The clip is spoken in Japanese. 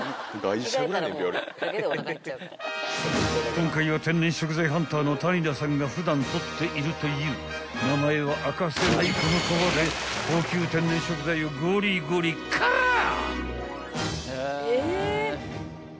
［今回は天然食材ハンターの谷田さんが普段獲っているという名前は明かせないこの川で高級天然食材をゴリゴリ狩らぁ！］